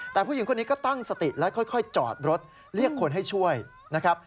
แต่ผู้หญิงคนนี้ก็ตั้งสติแล้วค่อยจอดรถเรียกคนให้ช่วยนะครับ